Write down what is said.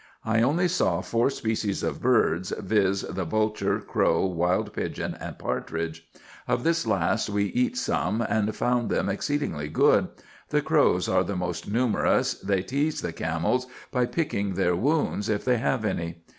I only saw four species of birds, viz. the vulture, crow, wild pigeon, and partridge ; of this last we eat some, and found them exceedingly good : the crows are the most numerous ; they tease the camels by picking their wounds, if they have any.